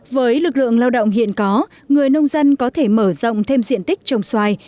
với lực lượng lao động hiện có người nông dân có thể mở rộng thêm diện tích trồng xoài